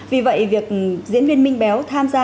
vì vậy việc diễn viên minh béo tham gia